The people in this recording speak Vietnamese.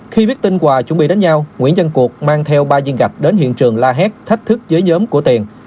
khi biết tin hòa chuẩn bị đánh nhau nguyễn văn cuộc mang theo ba viên gạch đến hiện trường la hét thách thức giới nhóm của tiền